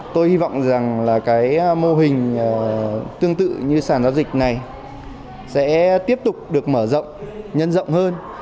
tôi hy vọng rằng là cái mô hình tương tự như sản giao dịch này sẽ tiếp tục được mở rộng nhân rộng hơn